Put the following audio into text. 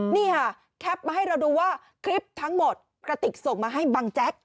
นี่ค่ะแคปมาให้เราดูว่าคลิปทั้งหมดกระติกส่งมาให้บังแจ๊ก